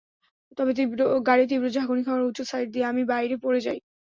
তবে গাড়ি তীব্র ঝাঁকুনি খাওয়ায় উঁচু সাইড দিয়ে আমি বাইরে পড়ে যাই।